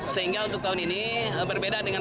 sehingga untuk tahun ini berbeda dengan